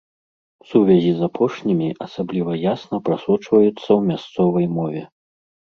Сувязі з апошнімі асабліва ясна прасочваюцца ў мясцовай мове.